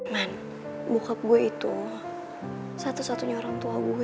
man mukab gue itu satu satunya orang tua gue